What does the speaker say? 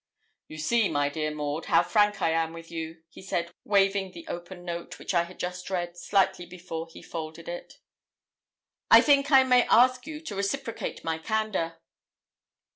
'You see, my dear Maud, how frank I am with you,' he said, waving the open note, which I had just read, slightly before he folded it. 'I think I may ask you to reciprocate my candour.'